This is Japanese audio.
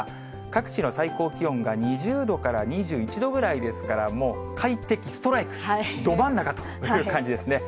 各地の最高気温が２０度から２１度ぐらいですから、もう快適ストライク、ど真ん中という感じですね。